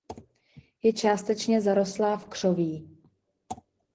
Je částečně zarostlá v křoví.